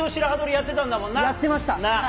やってました。